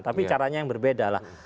tapi caranya yang berbeda lah